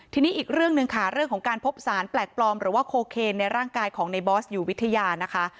ทีนี้อีกเรื่องหนึ่งค่ะเรื่องของการพบสารแปลกปลอมหรือว่าโคเคนในร่างกายของในบอสอยู่วิทยานะคะ